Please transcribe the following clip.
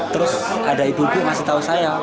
terus ada ibu ibu ngasih tahu saya